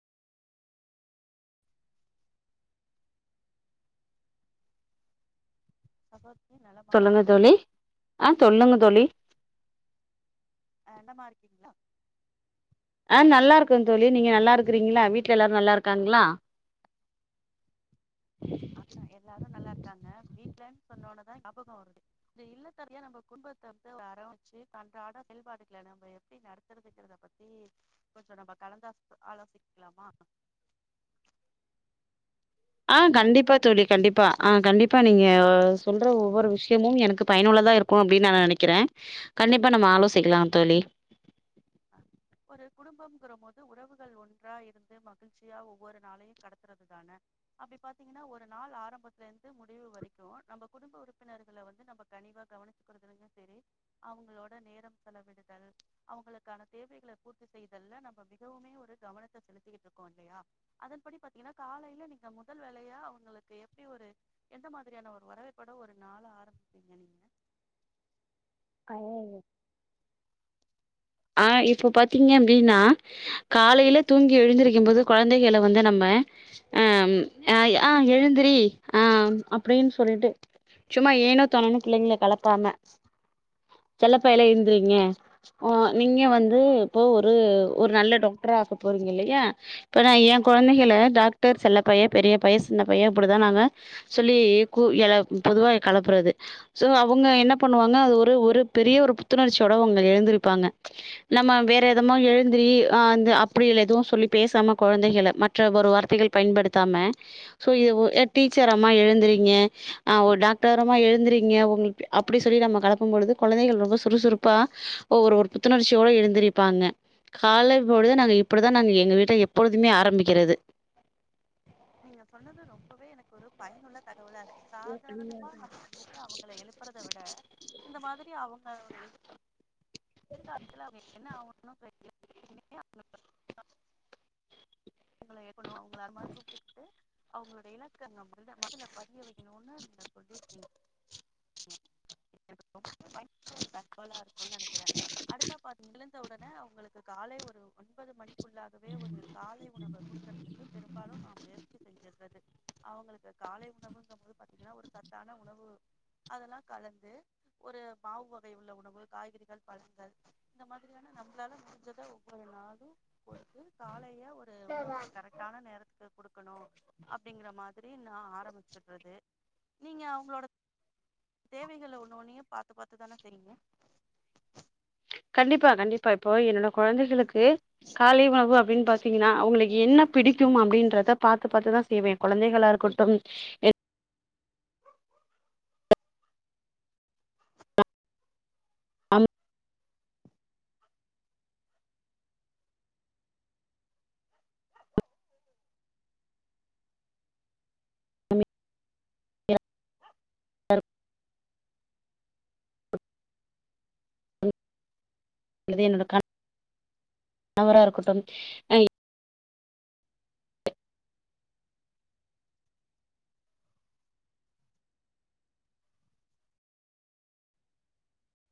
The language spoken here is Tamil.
[unintelligible] சொல்லுங்க தோழி அ சொல்லுங்க தோழி ஏண்டமா இருக்கீங்களா அ நல்லாருக்க தோழி நீங்க நல்லார்க்குறீங்ளா வீட்ல எல்லாரு நல்லார்க்காங்ளா ஆ எல்லாரும் நல்லா இரு இர்க்காங்க வீட்ட்லன் சொன்னோனதா ஞாபக வருது இந்த இல்லத்தரசியா நம்ப கும்பத்த வந்து அரவ்ச்சி அன்றாட செல்பாடுகள நம்ம எப்டி நத்துறதுங்கறத பத்தி கொஞ்சொ நம்ப கலந்தாஸ் ஆலோசிக்லாமா ஆ கண்டிப்பா தோழி கண்டிப்பா ஆ கண்டிப்பா நீங்க சொல்ற ஒவ்வொரு விஷ்யமு எனக்கு பயனுள்ளதா இருக்கு அப்டி நா நெனைக்கிற கண்டிப்பா நம்ம ஆலோசிக்கிலா தோழி ஒரு குடும்பம்ங்கிற மோது உறவுகள் ஒன்றா இருந்து மகிழ்ச்சியா ஒவ்வொரு நாளையு கடத்துறது தான அப்டி பாத்தீங்கனா ஒரு நாள் ஆரம்பத்துலேந்து முடிவு வரக்கு நம்ப குடும்ப உறுப்பினர்கள வந்து நம்ப கனிவா கவனிச்சுக்குறதுலேந்து செரி அவுங்களோட நேரம் செலவிடுதல் அவுங்களுக்கான தேவைக்ள பூர்த்தி செய்ததுல்ல நம்ம மிகவுமே ஒரு கவனத்தை செலுத்திட்டு இருக்கோ இல்லையா அதன்படி பாத்தீங்கன்னா காலையில நீங்க முதல் வேலையா அவங்களுக்கு எப்டி ஒரு எந்த மாதிரியான ஒரு வரவைப்பட ஒரு நாள ஆரம்பிப்பீங்க நீங்க அ இப்போ பாத்தீங்க அப்டின்னா காலைல தூங்கி எழுந்திரிக்க போது கொழந்தைகள வந்து நம்ம அம் அ ஆ எழுந்துரி ஆ அப்டின் சொல்ட்டு சும்மா ஏனோ தானோன்னு புள்ளைங்ள கெலப்பாம செல்லப்பயலே எந்துரிங்க ஒ நீங்க வந்து இப்போ ஒரு ஒரு நல்ல டாக்டர ஆகப் போகிறீங்க இல்லையா இப்போ நா எ கொழந்தைகள டாக்டர் செல்ல பைய பெரிய பைய சின்ன பைய இப்டி தா நாங்கள சொல்லி கூ எழு பொதுவாக கலப்புறது ஸோ அவங்க என்ன பண்ணுவாங்க அது ஒரு ஒரு பெரிய ஒரு புத்துணர்ச்சியோடு அவங்க எழுந்திருப்பாங்க நம்ம வேற எதமோ எழுந்ரி அ ந்த அப்டியல் எதுவு சொல்லி பேசாம கொழந்தைகள மற்ற ஒரு வார்த்தைகள் பயன்படுத்தாம சோ இது ஒ எ டீச்சரமா எழுந்துறீங்க அ ஒ டாக்டர்ரம்மா எழுந்துறீங்க உங்ளுக்கு அப்டி சொல்லி நம்ம கலப்பம் பொழுது கொழந்தைள் ரொம்ப சுறுசுறுப்பா ஒவ்வொரு ஒர் புத்துணர்ச்சியோட எழுந்துரிப்பாங்க காலை பொழுது நாங்க இப்புடி தா நாங்க எங்க வீட்ல எப்பொழுதுமே ஆரமிக்கிறது நீங்க சொன்னது ரொம்பவே எனக் ஒரு பயனுள்ள தகவலார் சாதாரணமா வந்துட்டு அவங்கள எழுப்புறத விட இந்த மாதுரி அவங்களோட எது எதுர்காலத்துல அவுங்க ஆவுனு [inaudible] உங்கள ஏக்கனு அவுங்கள அந்மார் கூப்ட்டுகுட்டு அவுங்லோட இலக்க [inaudible] பதிய வக்கணுன்னு ந சொல்லிர்க்கீங்க ரொம்ப பயனுள்ள தகவலா இருக் னு நினைக்கிறே அடுத்தா பாத்தீங் ள [inaudible] [unintelligible] அவங்களுக்கு காலை ஒரு ஒன்பது மணி க்குள்ளாகவே ஒரு காலை உணவ குடுக்கரத்துக்கு பெரும்பாலு நா முயற்சி செஞ்சிட்றது அவங்களுக்கு காலை உணவுங்கம்போது பாத்தீங்கன்னா ஒரு சத்தான உணவு அதெல்லா கலந்து ஒரு மாவு வகை உள்ள உணவு காய்கறிகள் பழங்கள் இந்த மாதிரியான நம்ளால முடிஞ்சதை ஒவ்வொரு நாளும் கொடுத்து காலைய ஒரு உணவு கரெக்டான நேரத்துக்கு குடுக்ணு அப்படிங்கற மாதிரி நான் ஆரம்பிச்சுட்றது நீங்க அவங்ளோட தேவைகள ஒன்னு ஒன்னயு பாத்து பாாத்துதான செய்ரிங்க கண்டிப்பா கண்டிப்பா இப்போ என்னோட கொழந்தைகளுக்கு காலை உணவு அப்படின் பாத்தீங்ன்னா அவுங்களுக்கு என்ன பிடிக்கும் அப்படின்றத பாாத்து பாத்துதா செய்வேன் கொழந்தைகளா இருக்கட்டும் எ அம் [unintelligible] அது என்னோட கணவரா இருக்கட்டும்